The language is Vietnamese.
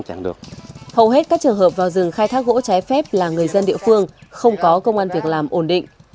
hầu hết các trường hợp vào rừng khai thác gỗ trái phép là người dân địa phương không có công an việc làm ổn định